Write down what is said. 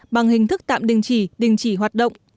bằng hình thức tạm đình chỉ đình chỉ hoạt động